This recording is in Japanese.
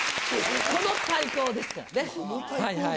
この対抗ですからね。